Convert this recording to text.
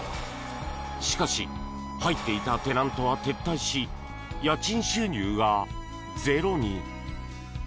しかし入っていたテナントは撤退し家賃収入がゼロに。